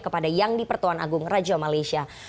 kepada yang di pertuan agung raja malaysia